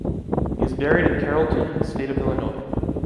He is buried in Carrollton, State of Illinois.